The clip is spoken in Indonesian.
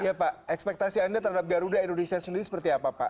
ya pak ekspektasi anda terhadap garuda indonesia sendiri seperti apa pak